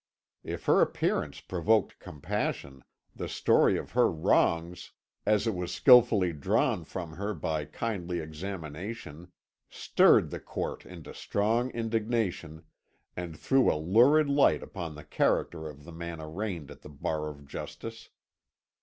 If her appearance provoked compassion, the story of her wrongs, as it was skilfully drawn from her by kindly examination, stirred the court into strong indignation, and threw a lurid light upon the character of the man arraigned at the bar of justice.